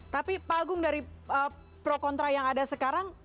tapi pak agung dari pro kontra yang ada sekarang